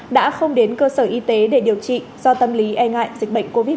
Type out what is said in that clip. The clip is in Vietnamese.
đã không đến cơ sở y tế để điều trị do tâm lý e ngại dịch bệnh covid một mươi